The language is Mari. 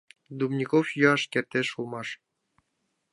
Дубников йӱаш кертеш улмаш.